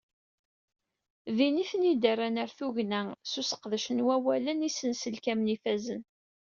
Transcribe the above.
Din i ten-id-rran ɣer tugna s useqdec n wallalen isenselkamen ifazen.